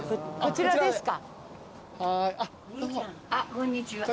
こんにちは。